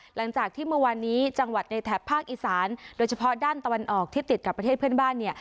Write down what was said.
หลังจากที่เมื่อวานนี้จังหวัดในแถบภาคอีสานโดยเฉพาะด้านตะวันออกที่ติดกับประเทศเพื่อนบ้านเนี่ย